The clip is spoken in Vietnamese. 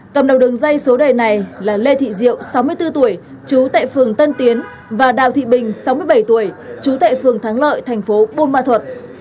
cầm đầu đường dây số đề này là lê thị diệu sáu mươi bốn tuổi chú tệ phường tân tiến và đào thị bình sáu mươi bảy tuổi chú tệ phường thắng lợi thành phố buôn ma thuột